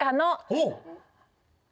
ほう！